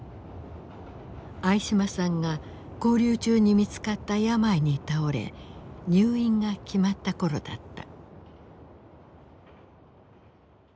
相嶋さんが勾留中に見つかった病に倒れ入院が決まった頃だった。